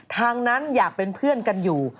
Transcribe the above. ทางนั้นอยากเป็นเพื่อนกันอยู่